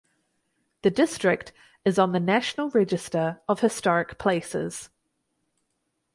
The district is on the National Register of Historic Places.